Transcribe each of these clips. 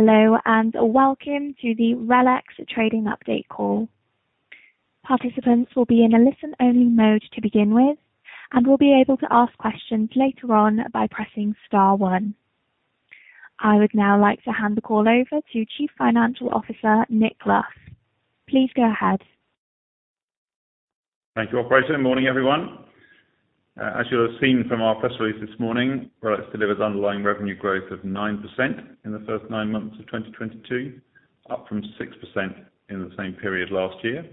Hello, and welcome to the RELX Trading Update call. Participants will be in a listen-only mode to begin with and will be able to ask questions later on by pressing star one. I would now like to hand the call over to Chief Financial Officer Nick Luff. Please go ahead. Thank you, operator, and morning everyone. As you'll have seen from our press release this morning, RELX delivers underlying revenue growth of 9% in the first nine months of 2022, up from 6% in the same period last year.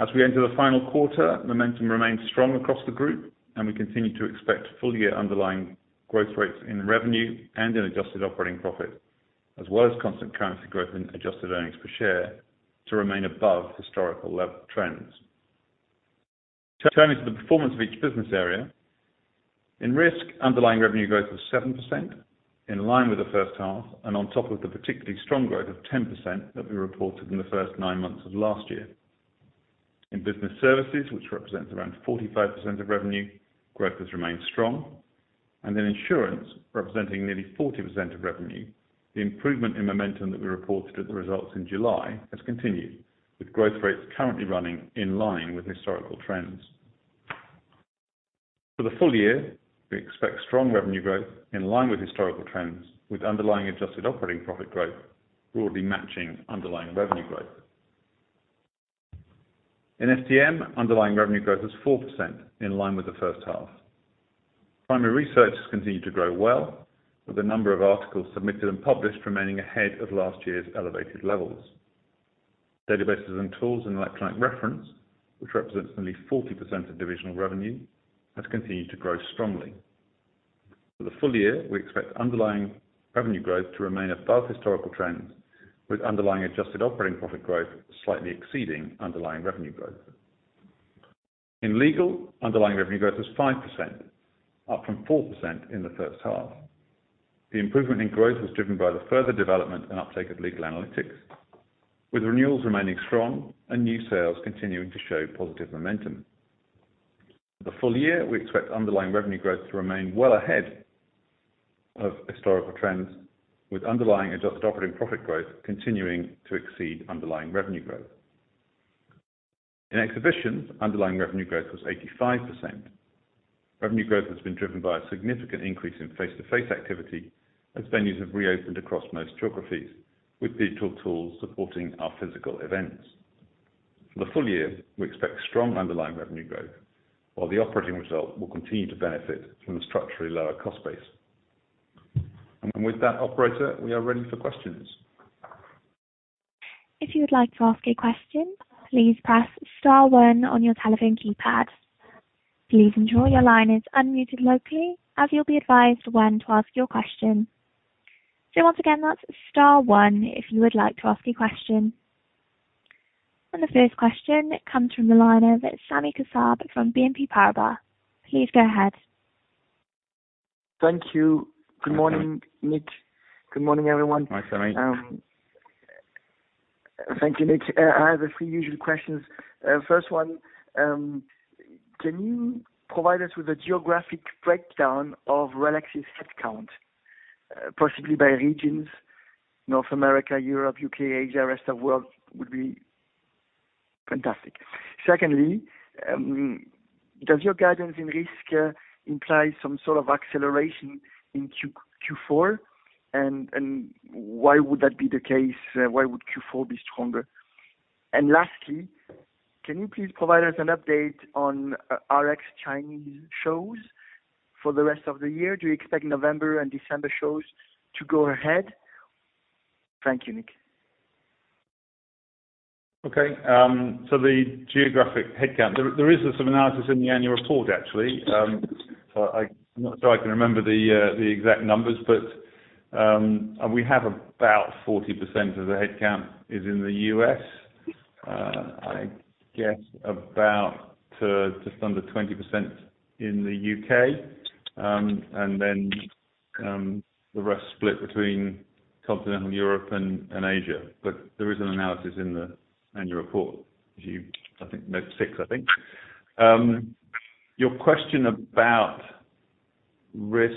As we enter the final quarter, momentum remains strong across the group, and we continue to expect full-year underlying growth rates in revenue and in adjusted operating profit, as well as constant currency growth in adjusted earnings per share to remain above historical trends. Turning to the performance of each business area. In Risk, underlying revenue growth was 7%, in line with the first half and on top of the particularly strong growth of 10% that we reported in the first nine months of last year. In Business Services, which represents around 45% of revenue, growth has remained strong. In Insurance, representing nearly 40% of revenue, the improvement in momentum that we reported at the results in July has continued, with growth rates currently running in line with historical trends. For the full year, we expect strong revenue growth in line with historical trends, with underlying adjusted operating profit growth broadly matching underlying revenue growth. In STM, underlying revenue growth was 4%, in line with the first half. Primary research has continued to grow well, with a number of articles submitted and published remaining ahead of last year's elevated levels. Databases and tools and electronic reference, which represents nearly 40% of divisional revenue, has continued to grow strongly. For the full year, we expect underlying revenue growth to remain above historical trends, with underlying adjusted operating profit growth slightly exceeding underlying revenue growth. In Legal, underlying revenue growth was 5%, up from 4% in the first half. The improvement in growth was driven by the further development and uptake of legal analytics, with renewals remaining strong and new sales continuing to show positive momentum. For the full year, we expect underlying revenue growth to remain well ahead of historical trends, with underlying adjusted operating profit growth continuing to exceed underlying revenue growth. In Exhibitions, underlying revenue growth was 85%. Revenue growth has been driven by a significant increase in face-to-face activity as venues have reopened across most geographies, with digital tools supporting our physical events. For the full year, we expect strong underlying revenue growth, while the operating result will continue to benefit from the structurally lower cost base. With that operator, we are ready for questions. If you would like to ask a question, please press star one on your telephone keypad. Please ensure your line is unmuted locally, as you'll be advised when to ask your question. Once again, that's star one if you would like to ask a question. The first question comes from the line of Sami Kassab from BNP Paribas. Please go ahead. Thank you. Good morning, Nick. Good morning, everyone. Hi, Sami. Thank you, Nick. I have the three usual questions. First one, can you provide us with a geographic breakdown of RELX's headcount, possibly by regions, North America, Europe, UK, Asia, rest of world would be fantastic? Secondly, does your guidance in risk imply some sort of acceleration in Q4? And why would that be the case? Why would Q4 be stronger? Lastly, can you please provide us an update on RX Chinese shows for the rest of the year? Do you expect November and December shows to go ahead? Thank you, Nick. Okay. The geographic headcount, there is some analysis in the annual report actually. So I'm not sure I can remember the exact numbers, but we have about 40% of the headcount is in the U.S. I guess about just under 20% in the U.K. And then the rest split between continental Europe and Asia. There is an analysis in the annual report. If you, I think note six, I think. Your question about Risk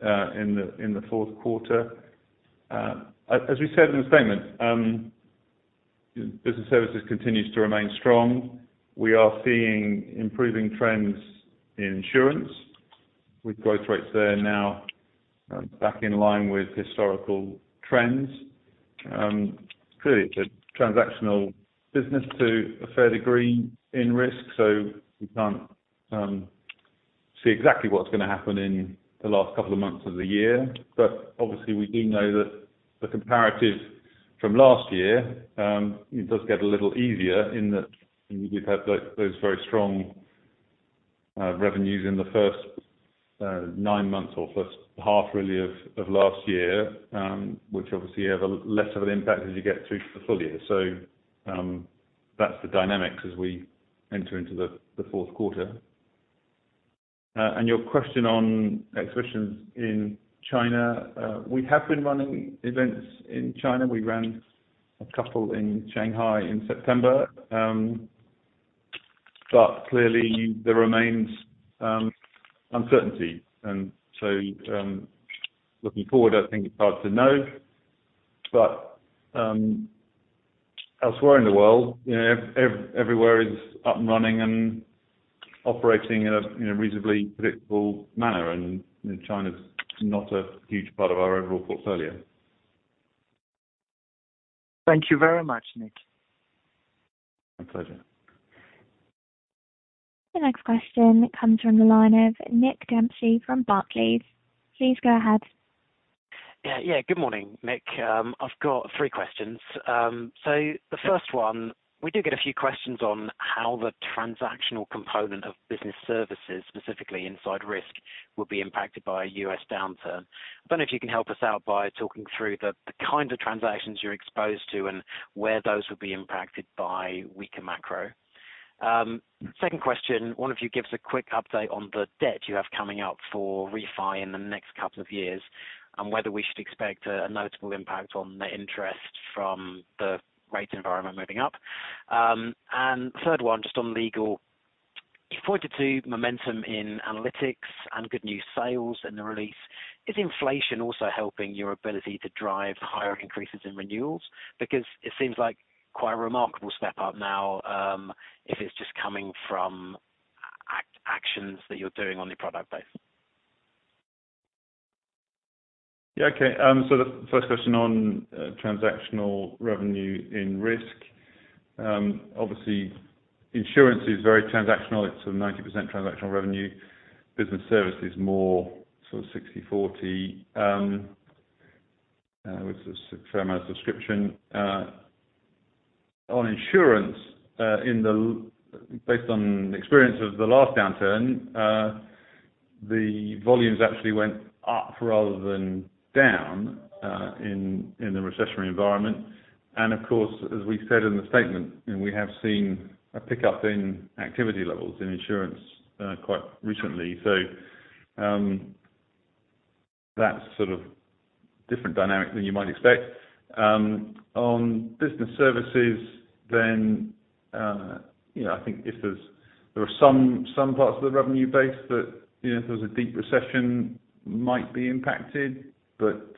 in the fourth quarter. As we said in the statement, Business Services continues to remain strong. We are seeing improving trends in Insurance with growth rates there now back in line with historical trends. Clearly it's a transactional business to a fair degree in Risk, so we can't see exactly what's gonna happen in the last couple of months of the year. Obviously we do know that the comparative from last year, it does get a little easier in that we've had those very strong revenues in the first nine months or first half really of last year, which obviously have a less of an impact as you get through to the full year. That's the dynamics as we enter into the fourth quarter. Your question on Exhibitions in China. We have been running events in China. We ran a couple in Shanghai in September. Clearly there remains uncertainty. Looking forward, I think it's hard to know. Elsewhere in the world, you know, everywhere is up and running and operating in a reasonably predictable manner. China's not a huge part of our overall portfolio. Thank you very much, Nick. My pleasure. The next question comes from the line of Nick Dempsey from Barclays. Please go ahead. Yeah. Yeah. Good morning, Nick. I've got three questions. The first one, we do get a few questions on how the transactional component of Business Services, specifically inside Risk, will be impacted by a U.S. downturn. I don't know if you can help us out by talking through the kinds of transactions you're exposed to and where those would be impacted by weaker macro. Second question, one of you give us a quick update on the debt you have coming up for refi in the next couple of years, and whether we should expect a notable impact on net interest from the rate environment moving up. Third one, just on Legal. You pointed to momentum in analytics and good new sales in the release. Is inflation also helping your ability to drive higher increases in renewals? Because it seems like quite a remarkable step up now, if it's just coming from actions that you're doing on your product base. Yeah. Okay. The first question on transactional revenue in Risk. Obviously Insurance is very transactional. It's sort of 90% transactional revenue. Business Services is more sort of 60/40 with firm subscription. On Insurance, based on experience of the last downturn, the volumes actually went up rather than down in the recessionary environment. Of course, as we said in the statement, we have seen a pickup in activity levels in Insurance quite recently. That's sort of different dynamic than you might expect. On Business Services then, you know, I think there are some parts of the revenue base that, you know, if there's a deep recession might be impacted.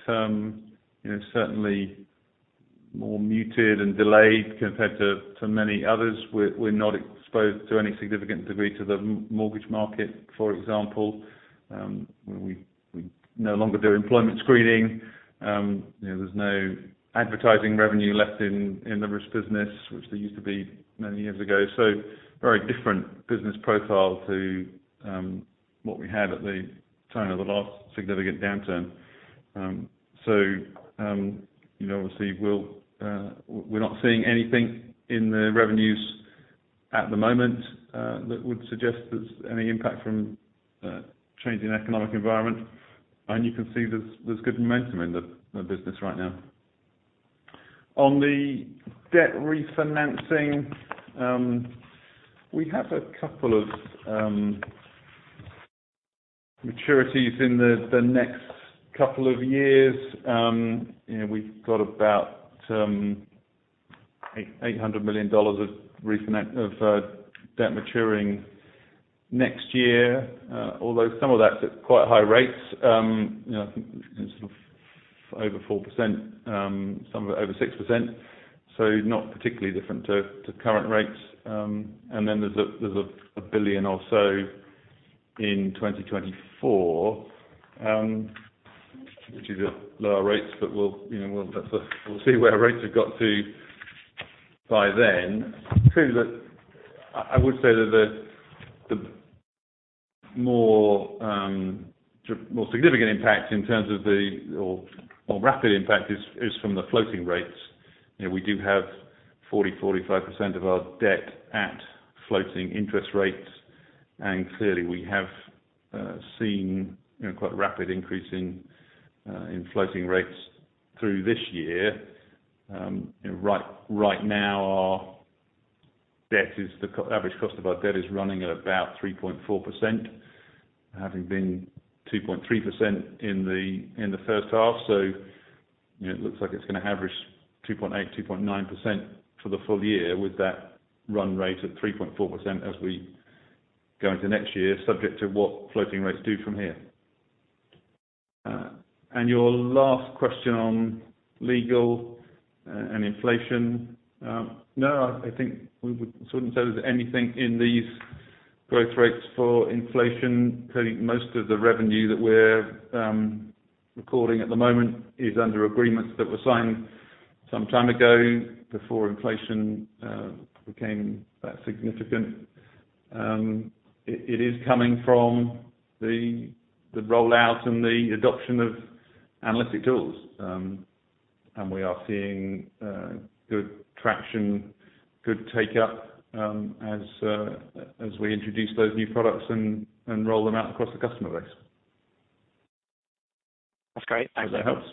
You know, certainly more muted and delayed compared to many others. We're not exposed to any significant degree to the mortgage market, for example. We no longer do employment screening. You know, there's no advertising revenue left in the Risk business, which there used to be many years ago. Very different business profile to what we had at the time of the last significant downturn. You know, obviously we're not seeing anything in the revenues at the moment that would suggest there's any impact from changing economic environment. You can see there's good momentum in the business right now. On the debt refinancing, we have a couple of maturities in the next couple of years. You know, we've got about $800 million of debt maturing next year, although some of that's at quite high rates. You know, I think it's over 4%, some of it over 6%. So not particularly different to current rates. There's a billion or so in 2024, which is at lower rates, but we'll see where rates have got to by then. True that I would say that the more significant impact in terms of the more rapid impact is from the floating rates. You know, we do have 40%, 45% of our debt at floating interest rates. Clearly we have seen quite rapid increase in floating rates through this year. Right now the average cost of our debt is running at about 3.4%, having been 2.3% in the first half. You know, it looks like it's gonna average 2.8%-2.9% for the full year with that run rate at 3.4% as we go into next year, subject to what floating rates do from here. Your last question on Legal and inflation. No, I think we shouldn't say there's anything in these growth rates for inflation. Clearly, most of the revenue that we're recording at the moment is under agreements that were signed some time ago before inflation became that significant. It is coming from the rollout and the adoption of analytics tools. We are seeing good traction, good take up, as we introduce those new products and roll them out across the customer base. That's great. Thanks. Hope that helps.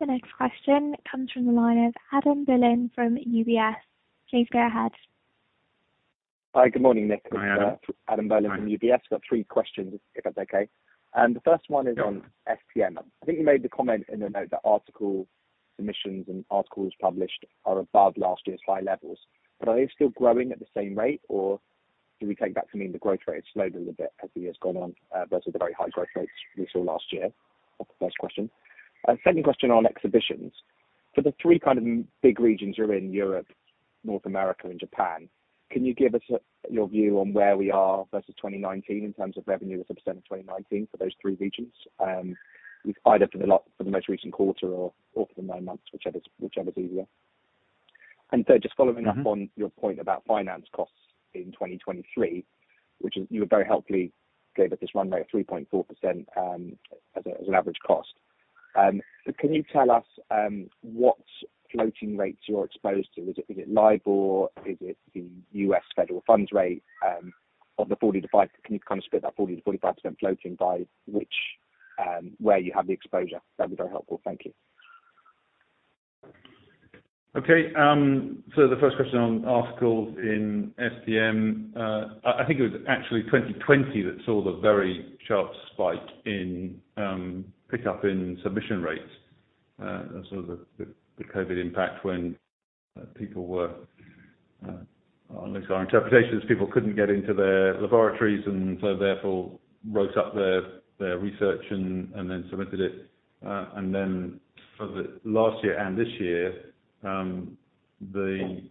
The next question comes from the line of Adam Berlin from UBS. Please go ahead. Hi. Good morning, Nick. Hi, Adam. Adam Berlin from UBS. Got three questions if that's okay. The first one is on STM. I think you made the comment in the note that article submissions and articles published are above last year's high levels. Are they still growing at the same rate, or do we take that to mean the growth rate has slowed a little bit as the year's gone on versus the very high growth rates we saw last year? That's the first question. Second question on exhibitions. For the three kind of big regions, you're in Europe, North America, and Japan, can you give us your view on where we are versus 2019 in terms of revenue as a percent of 2019 for those three regions? Either for the most recent quarter or for the nine months, whichever is easier. Third, just following up. Mm-hmm. On your point about finance costs in 2023, which is you very helpfully gave us this runway of 3.4% as an average cost. Can you tell us what floating rates you're exposed to? Is it LIBOR? Is it the U.S. federal funds rate? Of the 40%-45% floating, can you kind of split that by which where you have the exposure? That'd be very helpful. Thank you. Okay. The first question on articles in STM, I think it was actually 2020 that saw the very sharp spike in pick up in submission rates. That was sort of the COVID impact. At least our interpretation is people couldn't get into their laboratories, and so therefore wrote up their research and then submitted it. Then for the last year and this year, the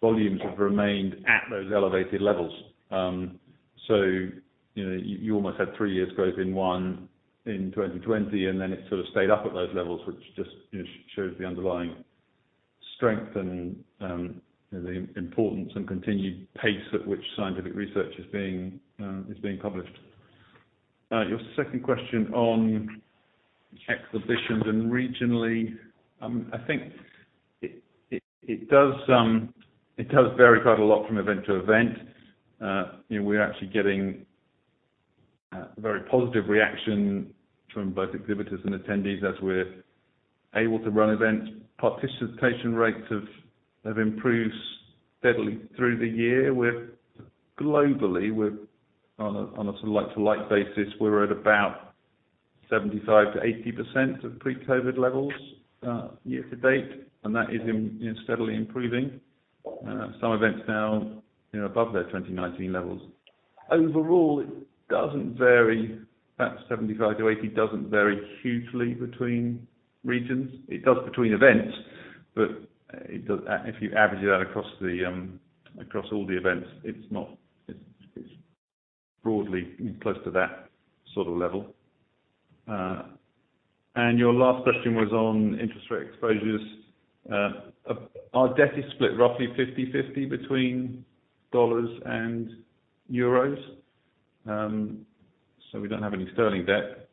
volumes have remained at those elevated levels. You know, you almost had three years growth in one in 2020, and then it sort of stayed up at those levels, which just, you know, shows the underlying strength and you know, the importance and continued pace at which scientific research is being published. Your second question on exhibitions and regionally, I think it does vary quite a lot from event to event. You know, we're actually getting very positive reaction from both exhibitors and attendees as we're able to run events. Participation rates have improved steadily through the year. Globally, we're on a sort of like-for-like basis at about 75%-80% of pre-COVID levels year-to-date, and that is you know steadily improving. Some events now you know above their 2019 levels. Overall, it doesn't vary. That 75%-80% doesn't vary hugely between regions. It does between events, but if you average it out across all the events, it's broadly close to that sort of level. Your last question was on interest rate exposures. Our debt is split roughly 50/50 between dollars and euros. We don't have any sterling debt.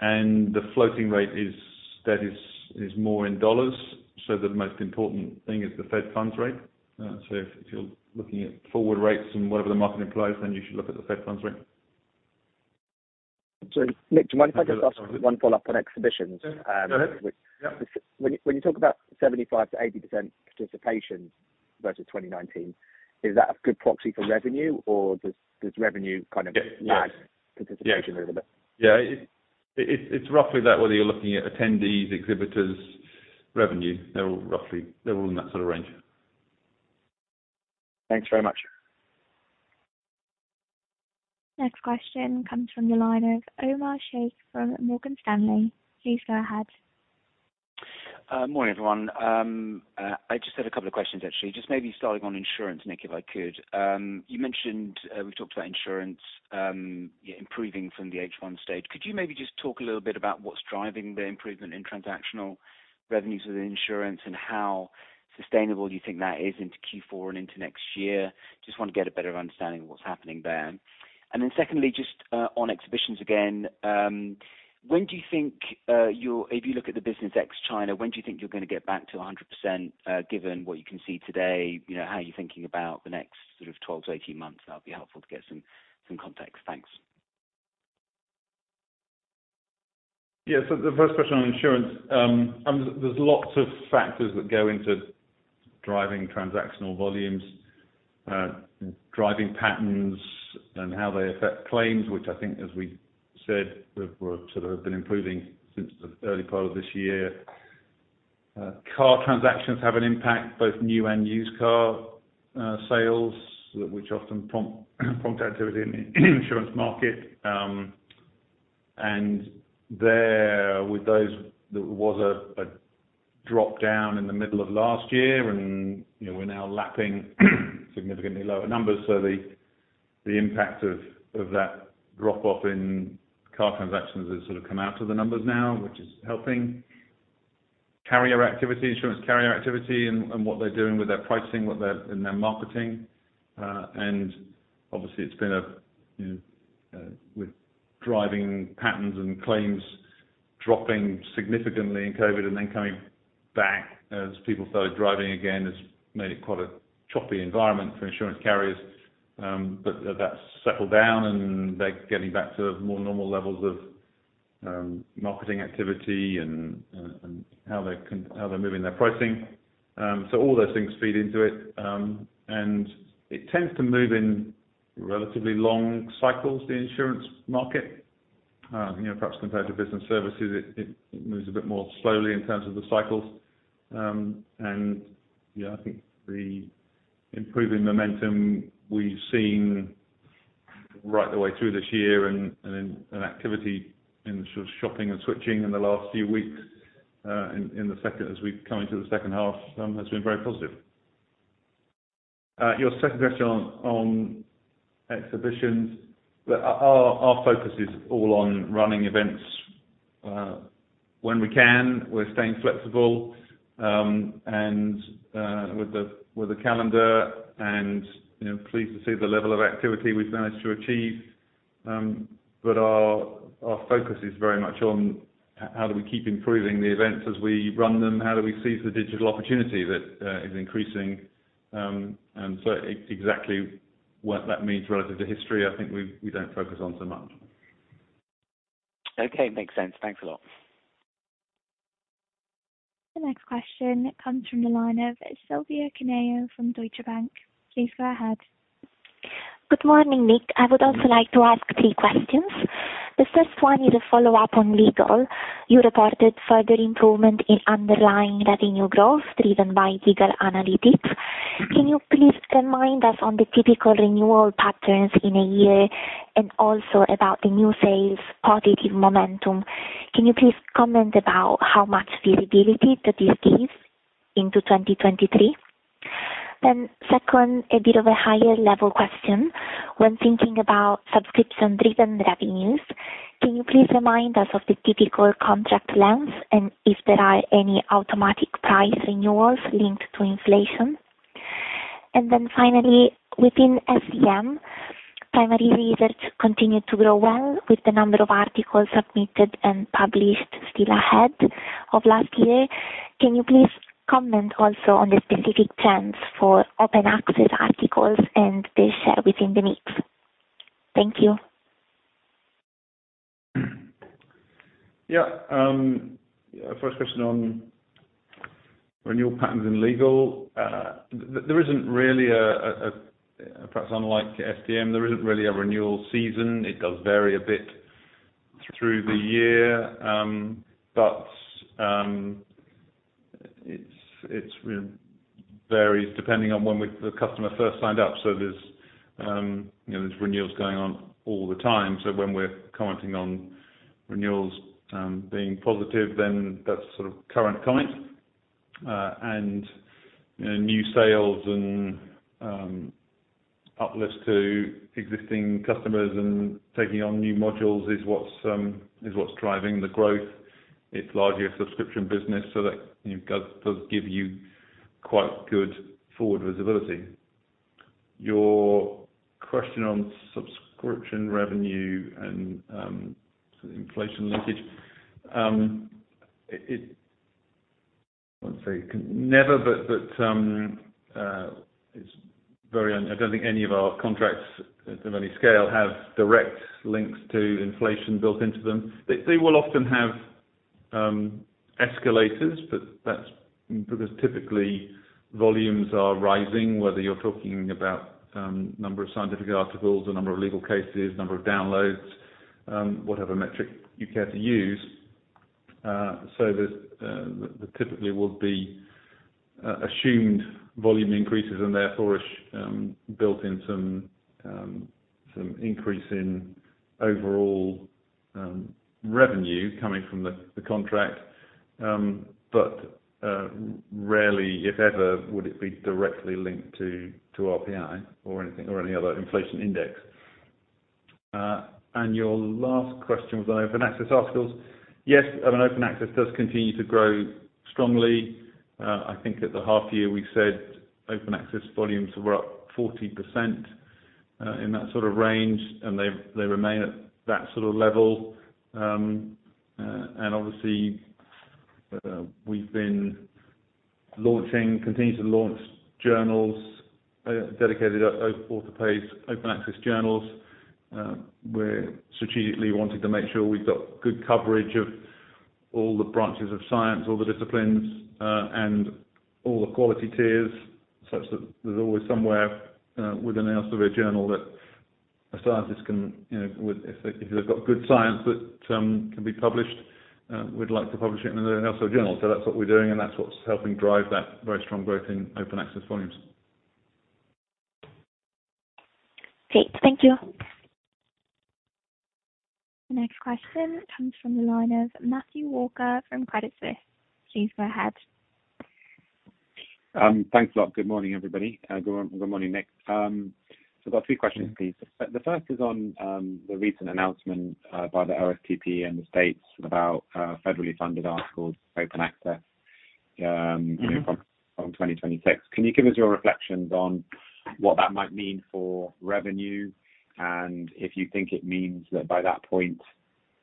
The floating rate debt is more in dollars, so the most important thing is the federal funds rate. If you're looking at forward rates and whatever the market implies, then you should look at the federal funds rate. Sorry, Nick, do you mind if I just ask one follow-up on Exhibitions? Yeah. Go ahead. Yeah. When you talk about 75%-80% participation versus 2019, is that a good proxy for revenue or does revenue kind of- Yeah. Lag participation a little bit? Yeah. It's roughly that, whether you're looking at attendees, exhibitors, revenue. They're all roughly in that sort of range. Thanks very much. Next question comes from the line of Omar Sheikh from Morgan Stanley. Please go ahead. Morning, everyone. I just had a couple of questions, actually. Just maybe starting on Insurance, Nick, if I could. You mentioned we've talked about Insurance, yeah, improving from the H1 stage. Could you maybe just talk a little bit about what's driving the improvement in transactional revenues with Insurance and how sustainable you think that is into Q4 and into next year? Just wanna get a better understanding of what's happening there. Secondly, just on Exhibitions again, when do you think if you look at the business ex-China, when do you think you're gonna get back to 100%, given what you can see today? You know, how are you thinking about the next sort of 12-18 months? That'll be helpful to get some context. Thanks. Yeah. The first question on Insurance, there's lots of factors that go into driving transactional volumes, driving patterns and how they affect claims, which I think, as we said, we're sort of have been improving since the early part of this year. Car transactions have an impact, both new and used car sales, which often prompt activity in the insurance market. There with those, there was a drop-down in the middle of last year and, you know, we're now lapping significantly lower numbers. The impact of that drop-off in car transactions has sort of come out of the numbers now, which is helping insurance carrier activity and what they're doing with their pricing and their marketing. Obviously it's been a you know with driving patterns and claims dropping significantly in COVID and then coming back as people started driving again. It's made it quite a choppy environment for insurance carriers. That's settled down and they're getting back to more normal levels of marketing activity and how they're moving their pricing. All those things feed into it. It tends to move in relatively long cycles, the Insurance market you know perhaps compared to Business Services. It moves a bit more slowly in terms of the cycles. Yeah, I think the improving momentum we've seen right the way through this year and in an activity in sort of shopping and switching in the last few weeks in the second half as we come into the second half has been very positive. Your second question on Exhibitions. Our focus is all on running events when we can. We're staying flexible with the calendar and, you know, pleased to see the level of activity we've managed to achieve. Our focus is very much on how do we keep improving the events as we run them? How do we seize the digital opportunity that is increasing? It's exactly what that means relative to history. I think we don't focus on so much. Okay. Makes sense. Thanks a lot. The next question comes from the line of Silvia Cuneo from Deutsche Bank. Please go ahead. Good morning, Nick. I would also like to ask three questions. The first one is a follow-up on Legal. You reported further improvement in underlying revenue growth driven by legal analytics. Can you please remind us on the typical renewal patterns in a year and also about the new sales positive momentum? Can you please comment about how much visibility that this gives into 2023? Second, a bit of a higher level question. When thinking about subscription-driven revenues, can you please remind us of the typical contract length and if there are any automatic price renewals linked to inflation? Finally, within STM, primary research continued to grow well with the number of articles submitted and published still ahead of last year. Can you please comment also on the specific trends for open access articles and their share within the mix? Thank you. First question on renewal patterns in legal. There isn't really a renewal season, perhaps unlike STM. It does vary a bit through the year, but it varies depending on when the customer first signed up. There's renewals going on all the time. When we're commenting on renewals being positive, then that's sort of current comment. New sales and uplifts to existing customers and taking on new modules is what's driving the growth. It's largely a subscription business, so that does give you quite good forward visibility. Your question on subscription revenue and sort of inflation linkage. I won't say never, but I don't think any of our contracts at any scale have direct links to inflation built into them. They will often have escalators, but that's because typically volumes are rising, whether you're talking about number of scientific articles or number of legal cases, number of downloads, whatever metric you care to use. There typically will be assumed volume increases and therefore is built in some increase in overall revenue coming from the contract. Rarely, if ever, would it be directly linked to RPI or anything or any other inflation index. Your last question was on open access articles. Yes. I mean, open access does continue to grow strongly. I think at the half year we said open access volumes were up 40%, in that sort of range. They've, they remain at that sort of level. Obviously, we've been launching, continuing to launch journals, dedicated author pays open access journals. We're strategically wanting to make sure we've got good coverage of all the branches of science, all the disciplines, and all the quality tiers, such that there's always somewhere within the Elsevier journal that a scientist can, you know, if they, if they've got good science that can be published, we'd like to publish it in an Elsevier journal. That's what we're doing, and that's what's helping drive that very strong growth in open access volumes. Great. Thank you. The next question comes from the line of Matthew Walker from Credit Suisse. Please go ahead. Thanks a lot. Good morning, everybody. Good morning, Nick. I've got three questions, please. The first is on the recent announcement by the OSTP and the states about federally funded articles open access from 2026. Can you give us your reflections on what that might mean for revenue? If you think it means that by that point,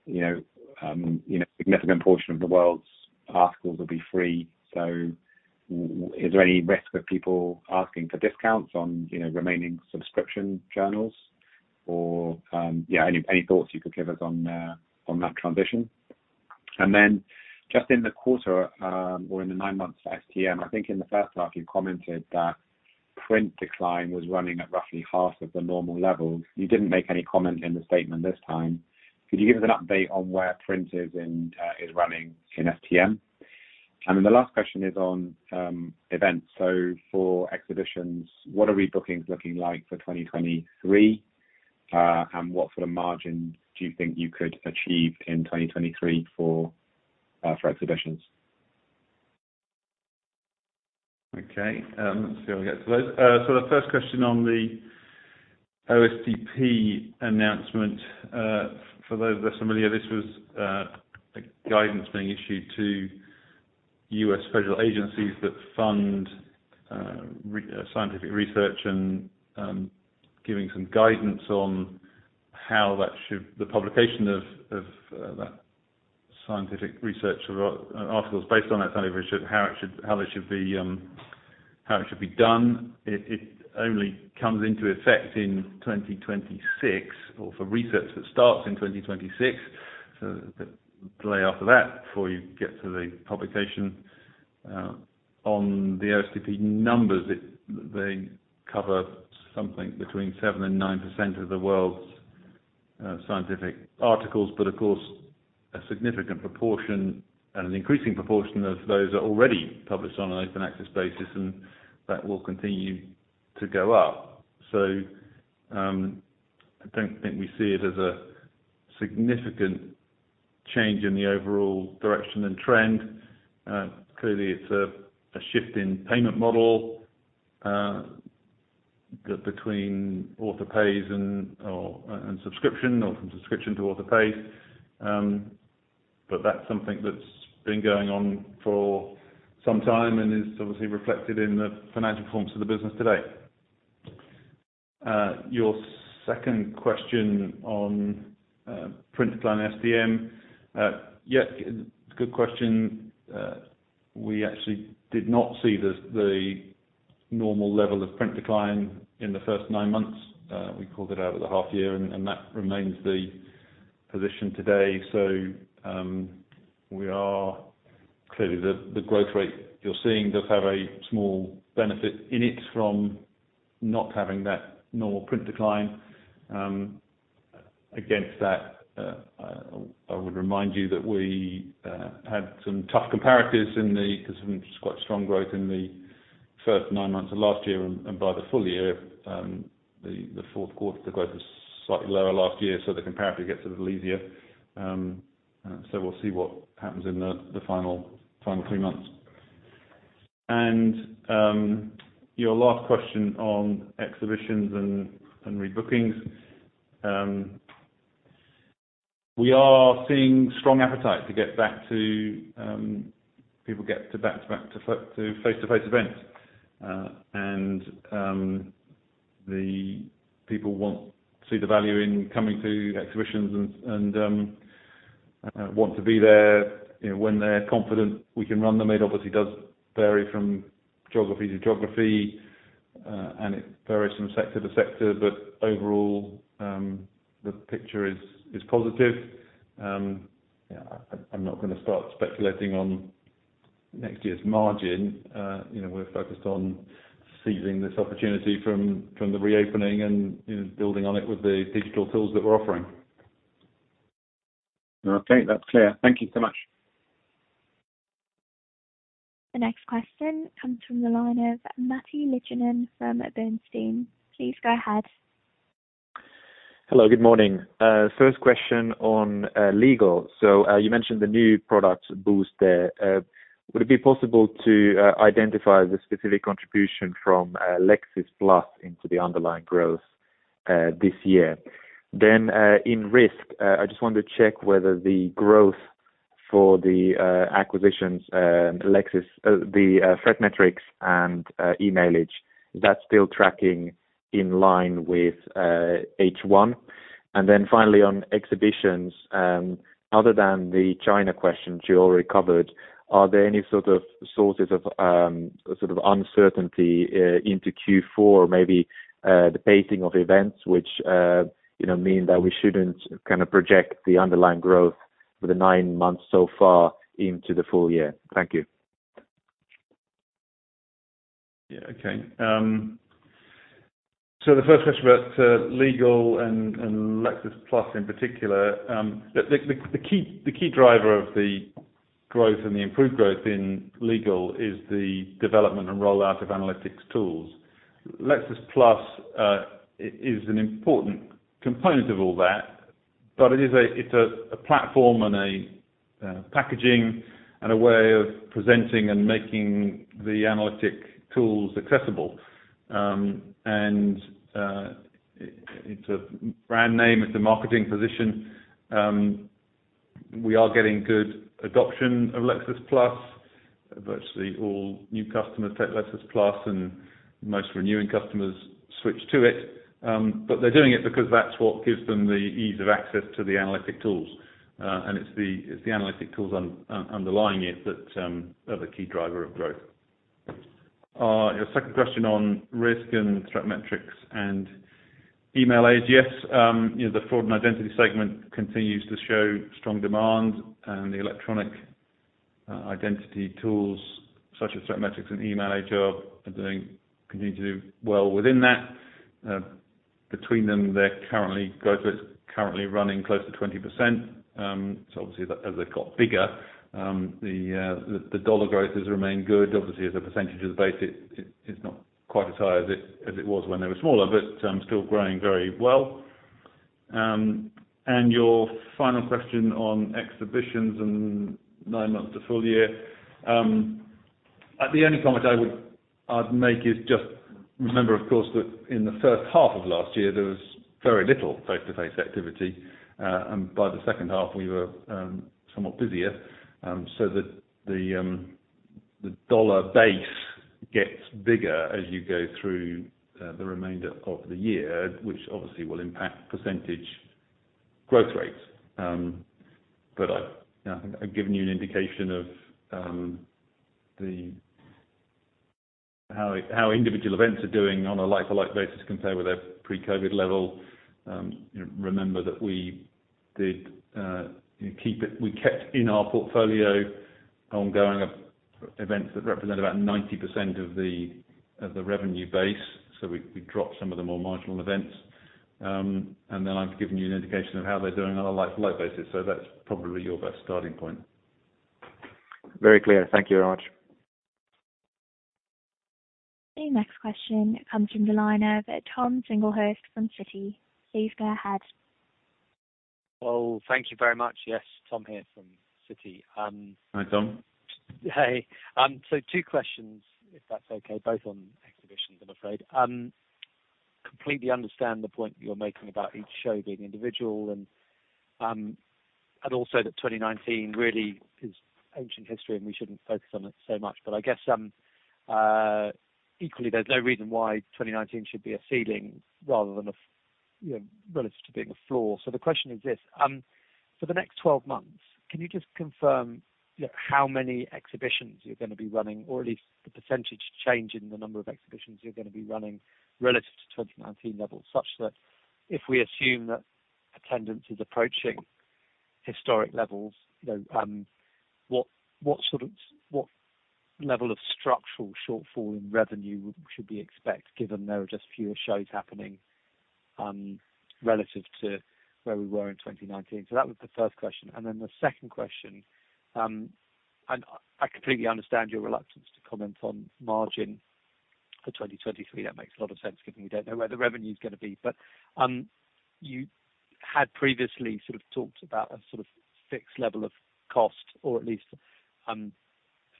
you know, significant portion of the world's articles will be free. Is there any risk of people asking for discounts on remaining subscription journals or, yeah, any thoughts you could give us on that transition? Just in the quarter or in the nine months STM, I think in the first half, you commented that print decline was running at roughly half of the normal level. You didn't make any comment in the statement this time. Could you give us an update on where print is in, is running in STM? The last question is on events. For exhibitions, what are rebookings looking like for 2023? What sort of margin do you think you could achieve in 2023 for exhibitions? Okay. Let's see if I get to those. The first question on the OSTP announcement, for those that are familiar, this was a guidance being issued to U.S. federal agencies that fund scientific research and giving some guidance on the publication of that scientific research or articles based on that scientific research, how it should be done. It only comes into effect in 2026 or for research that starts in 2026. The lag after that, before you get to the publication, on the OSTP numbers, they cover something between 7%-9% of the world's scientific articles. Of course, a significant proportion and an increasing proportion of those are already published on an open access basis, and that will continue to go up. I don't think we see it as a significant change in the overall direction and trend. Clearly it's a shift in payment model between author pays and subscription or from subscription to author pays. But that's something that's been going on for some time and is obviously reflected in the financial performance of the business today. Your second question on print decline STM. Yeah, good question. We actually did not see the normal level of print decline in the first nine months. We called it out at the half year, and that remains the position today. Clearly, the growth rate you're seeing does have a small benefit in it from not having that normal print decline. Against that, I would remind you that we had some tough comparatives 'cause of quite strong growth in the first nine months of last year. By the full year, the fourth quarter, the growth was slightly lower last year, so the comparative gets a little easier. We'll see what happens in the final three months. Your last question on Exhibitions and rebookings. We are seeing strong appetite to get back to face-to-face events. The people want to see the value in coming to exhibitions and want to be there, you know, when they're confident we can run them. It obviously does vary from geography to geography and it varies from sector to sector, but overall, the picture is positive. Yeah, I'm not gonna start speculating on next year's margin. You know, we're focused on seizing this opportunity from the reopening and, you know, building on it with the digital tools that we're offering. Okay, that's clear. Thank you so much. The next question comes from the line of Matti Littunen from Bernstein. Please go ahead. Hello, good morning. First question on Legal. You mentioned the new product boost there. Would it be possible to identify the specific contribution from Lexis+ into the underlying growth this year? In Risk, I just wanted to check whether the growth for the acquisitions, ThreatMetrix and Emailage, is it still tracking in line with H1? Finally on Exhibitions, other than the China question you already covered, are there any sort of sources of sort of uncertainty into Q4, maybe the pacing of events which you know mean that we shouldn't kind of project the underlying growth for the nine months so far into the full year? Thank you. Yeah. Okay. The first question about Legal and Lexis+ in particular. The key driver of the growth and the improved growth in Legal is the development and rollout of analytics tools. Lexis+ is an important component of all that, but it's a platform and a packaging and a way of presenting and making the analytic tools accessible. It's a brand name, it's a marketing position. We are getting good adoption of Lexis+. Virtually all new customers take Lexis+ and most renewing customers switch to it, but they're doing it because that's what gives them the ease of access to the analytic tools. It's the analytic tools underlying it that are the key driver of growth. Your second question on Risk and ThreatMetrix and Emailage. Yes, you know, the Fraud and Identity segment continues to show strong demand, and the electronic identity tools such as ThreatMetrix and Emailage continue to do well within that. Between them, they're currently growing but currently running close to 20%. So obviously, as they've got bigger, the dollar growth has remained good. Obviously, as a percentage of the base it's not quite as high as it was when they were smaller, but still growing very well. Your final question on Exhibitions and nine months to full year. The only comment I'd make is just remember, of course, that in the first half of last year there was very little face-to-face activity, and by the second half we were somewhat busier. The dollar base gets bigger as you go through the remainder of the year, which obviously will impact percentage growth rates. I, you know, have given you an indication of how individual events are doing on a like-for-like basis compared with their pre-COVID level. You know, remember that we kept in our portfolio ongoing events that represent about 90% of the revenue base. We dropped some of the more marginal events. I've given you an indication of how they're doing on a like-for-like basis. That's probably your best starting point. Very clear. Thank you very much. The next question comes from the line of Tom Singlehurst from Citi. Please go ahead. Well, thank you very much. Yes, Tom here from Citi. Hi, Tom. Hey. Two questions, if that's okay, both on exhibitions, I'm afraid. I completely understand the point you're making about each show being individual and also that 2019 really is ancient history, and we shouldn't focus on it so much. I guess equally there's no reason why 2019 should be a ceiling rather than a, you know, relative to being a floor. The question is this, for the next 12 months, can you just confirm, you know, how many exhibitions you're gonna be running, or at least the percentage change in the number of exhibitions you're gonna be running relative to 2019 levels? Such that if we assume that attendance is approaching historic levels, you know, what sort of level of structural shortfall in revenue should we expect given there are just fewer shows happening, relative to where we were in 2019? That was the first question. The second question, and I completely understand your reluctance to comment on margin for 2023. That makes a lot of sense given you don't know where the revenue is gonna be. You had previously sort of talked about a sort of fixed level of cost, or at least, the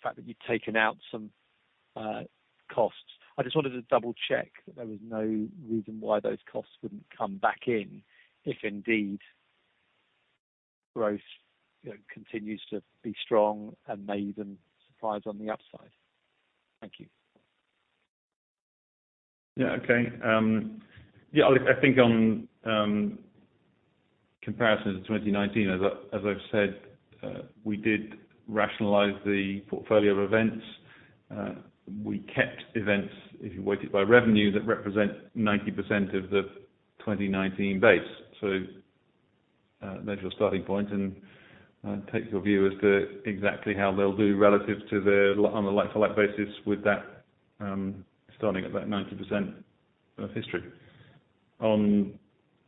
fact that you'd taken out some costs. I just wanted to double check that there was no reason why those costs wouldn't come back in if indeed growth, you know, continues to be strong and may even surprise on the upside. Thank you. Yeah. Okay. I think on comparison to 2019, as I've said, we did rationalize the portfolio of events. We kept events, if you weighted by revenue, that represent 90% of the 2019 base. There's your starting point, and I'll take your view as to exactly how they'll do relative to them on a like-for-like basis with that, starting at that 90% of history. On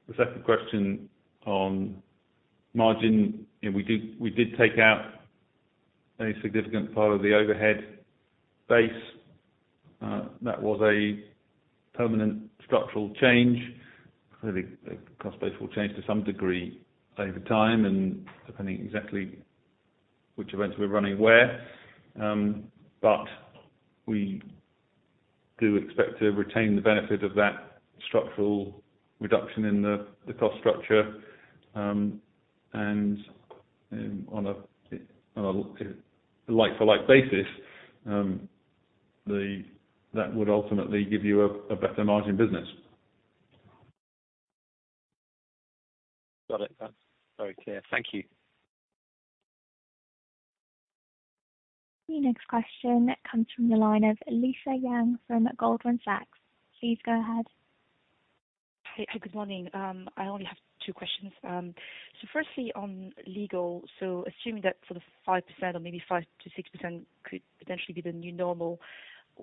the second question on margin, you know, we did take out a significant part of the overhead base. That was a permanent structural change. Clearly, the cost base will change to some degree over time and depending exactly which events we're running where. But we do expect to retain the benefit of that structural reduction in the cost structure. On a like-for-like basis, that would ultimately give you a better margin business. Got it. That's very clear. Thank you. The next question comes from the line of Lisa Yang from Goldman Sachs. Please go ahead. Hey. Good morning. I only have two questions. First, on Legal, assuming that sort of 5% or maybe 5%-6% could potentially be the new normal,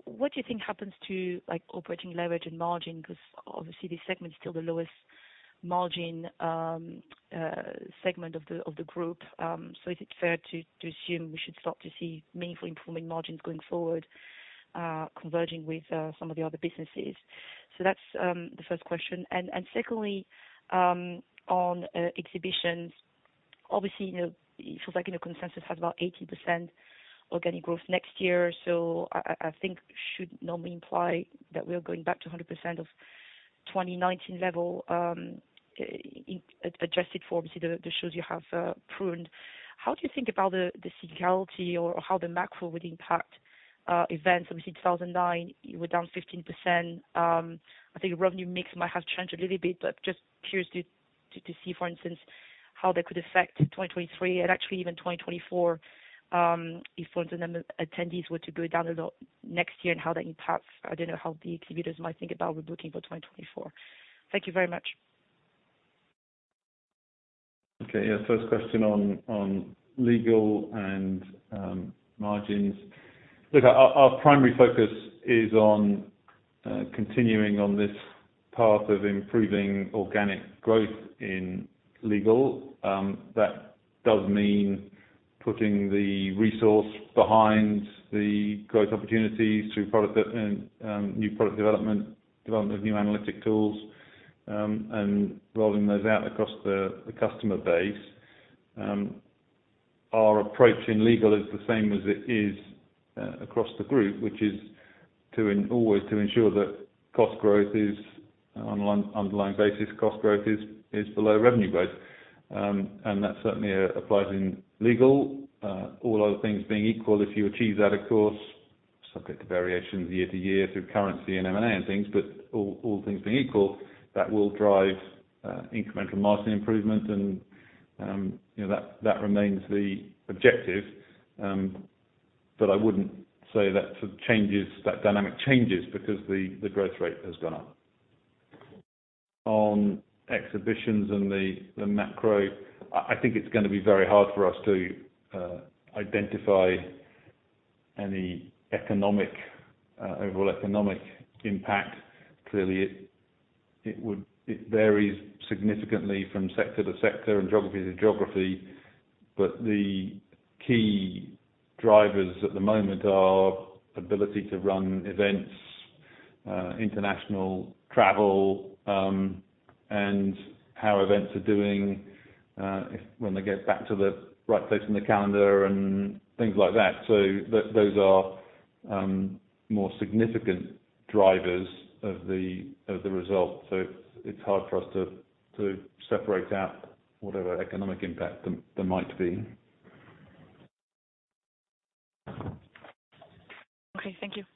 what do you think happens to, like, operating leverage and margin? Because obviously this segment is still the lowest margin segment of the group. Is it fair to assume we should start to see meaningful improvement margins going forward, converging with some of the other businesses? That's the first question. Second, on Exhibitions, obviously, you know, it feels like, you know, consensus has about 80% organic growth next year. I think should normally imply that we're going back to 100% of 2019 level, adjusted for, obviously, the shows you have pruned. How do you think about the seasonality or how the macro would impact events? Obviously, 2009, you were down 15%. I think revenue mix might have changed a little bit, but just curious to see, for instance, how that could affect 2023 and actually even 2024, if, for instance, number of attendees were to go down a lot next year and how that impacts, I don't know, how the exhibitors might think about rebooking for 2024. Thank you very much. Okay. Yeah. First question on legal and margins. Look, our primary focus is on continuing on this path of improving organic growth in Legal. That does mean putting the resource behind the growth opportunities through product development, new product development of new analytic tools, and rolling those out across the customer base. Our approach in Legal is the same as it is across the group, which is to always ensure that cost growth is, on an underlying basis, below revenue growth. That certainly applies in Legal. All other things being equal, if you achieve that, of course, subject to variations year to year through currency and M&A and things, but all things being equal, that will drive incremental margin improvement and, you know, that remains the objective. I wouldn't say that changes that dynamic changes because the growth rate has gone up. On Exhibitions and the macro, I think it's gonna be very hard for us to identify any overall economic impact. Clearly, it would. It varies significantly from sector to sector and geography to geography. The key drivers at the moment are ability to run events, international travel, and how events are doing when they get back to the right place in the calendar and things like that. Those are more significant drivers of the result. It's hard for us to separate out whatever economic impact there might be. Okay, thank you. The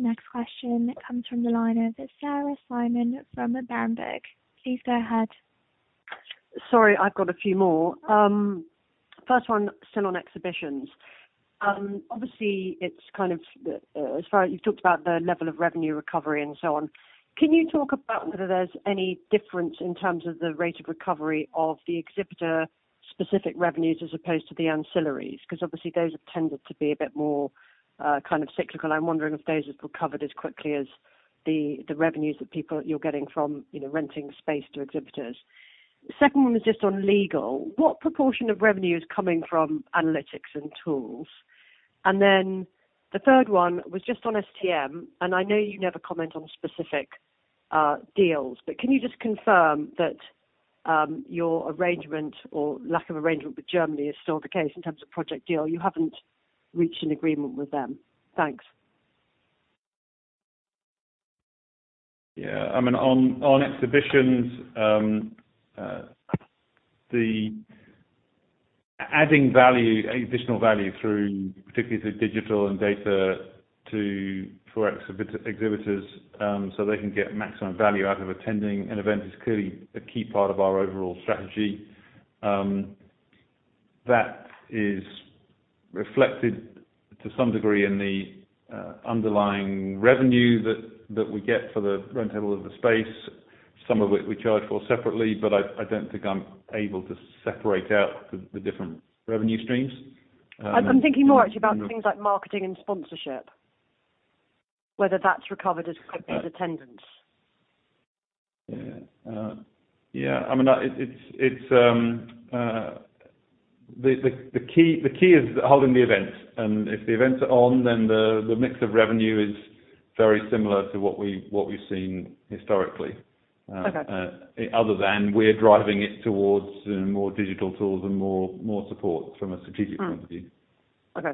next question comes from the line of Sarah Simon from Berenberg. Please go ahead. Sorry, I've got a few more. First one, still on Exhibitions. You've talked about the level of revenue recovery and so on. Can you talk about whether there's any difference in terms of the rate of recovery of the exhibitor-specific revenues as opposed to the ancillaries? 'Cause obviously those have tended to be a bit more kind of cyclical. I'm wondering if those have recovered as quickly as the revenues that you're getting from, you know, renting space to exhibitors. Second one was just on Legal. What proportion of revenue is coming from analytics and tools? The third one was just on STM, and I know you never comment on specific deals, but can you just confirm that your arrangement or lack of arrangement with Germany is still the case in terms of Project DEAL? You haven't reached an agreement with them. Thanks. Yeah. I mean, on Exhibitions, the additional value through, particularly through digital and data to exhibitors, so they can get maximum value out of attending an event is clearly a key part of our overall strategy. That is reflected to some degree in the underlying revenue that we get for the rental of the space. Some of it we charge for separately, but I don't think I'm able to separate out the different revenue streams. I'm thinking more actually about things like marketing and sponsorship. Whether that's recovered as quickly as attendance? Yeah. I mean, it's the key is holding the events. If the events are on, then the mix of revenue is very similar to what we've seen historically. Okay. Other than we're driving it towards, you know, more digital tools and more support from a strategic point of view. Mm-hmm.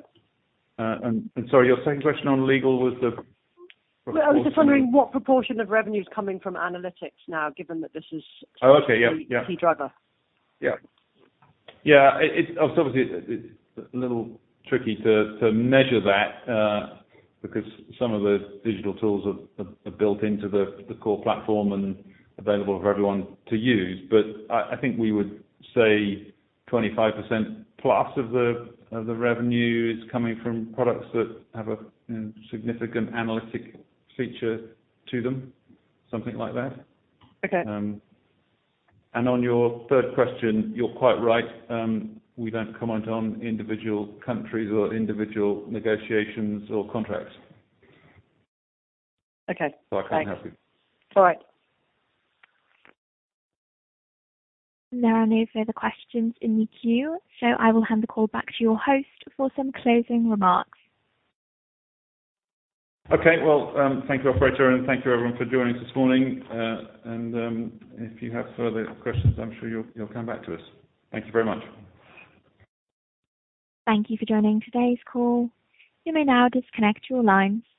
Okay. Sorry, your second question on Legal was the proportion of.. I was just wondering what proportion of revenue is coming from analytics now, given that this is.. Oh, okay. Yeah. Yeah the key driver. Yeah. Yeah. It's obviously, it's a little tricky to measure that, because some of the digital tools are built into the core platform and available for everyone to use. I think we would say 25%+ of the revenue is coming from products that have a significant analytic feature to them, something like that. Okay. On your third question, you're quite right. We don't comment on individual countries or individual negotiations or contracts. Okay. I can't help you. All right. There are no further questions in the queue, so I will hand the call back to your host for some closing remarks. Okay. Well, thank you, operator, and thank you everyone for joining us this morning. If you have further questions, I'm sure you'll come back to us. Thank you very much. Thank you for joining today's call. You may now disconnect your lines.